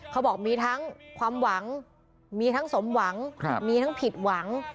เขาบอกมีทั้งความหวังมีทั้งสมหวังมีทั้งผิดหวัง